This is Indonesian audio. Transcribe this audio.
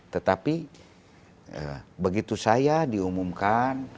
tetapi begitu saya diumumkan